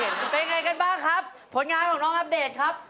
เป็นไงกันบ้างครับผลงานของน้องอัปเดตครับ